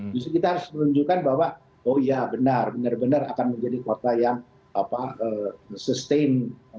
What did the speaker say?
justru kita harus menunjukkan bahwa oh iya benar benar akan menjadi kota yang sustain